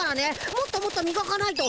もっともっとみがかないと。